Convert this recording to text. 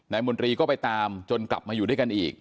มนตรีก็ไปตามจนกลับมาอยู่ด้วยกันอีก